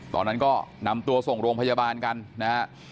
ตอนนั้นก็นำตัวส่งโรงพยาบาลกันนะฮะ